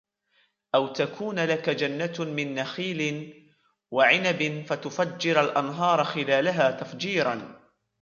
أَوْ تَكُونَ لَكَ جَنَّةٌ مِنْ نَخِيلٍ وَعِنَبٍ فَتُفَجِّرَ الْأَنْهَارَ خِلَالَهَا تَفْجِيرًا